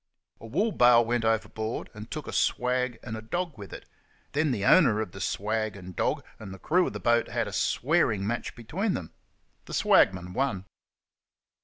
A wool bale went overboard, and took a swag and a dog with it; then the owner of the swag and dog and the crew of the boat had a swearing match between them. The swagman won.